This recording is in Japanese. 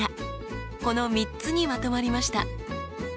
この３つにまとまりました。